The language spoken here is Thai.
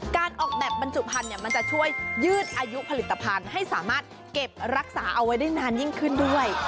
การออกแบบบรรจุพันธุ์มันจะช่วยยืดอายุผลิตภัณฑ์ให้สามารถเก็บรักษาเอาไว้ได้นานยิ่งขึ้นด้วย